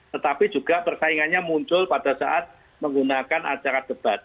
tetapi juga persaingannya muncul pada saat menggunakan acara debat